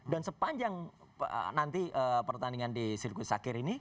dan sepanjang nanti pertandingan di sirkuit sakir ini